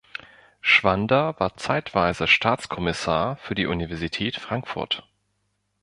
Schwander war zeitweise Staatskommissar für die Universität Frankfurt.